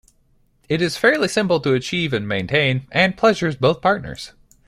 It is fairly simple to achieve and maintain and pleasures both partners.